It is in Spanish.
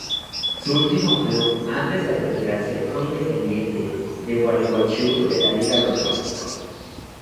Su último club antes de retirarse fue Independiente de Gualeguaychú de la liga local.